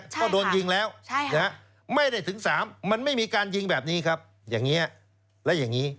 ก็โดนยิงแล้วไม่ได้ถึง๓มันไม่มีการยิงแบบนี้ครับอย่างนี้แล้วอย่างนี้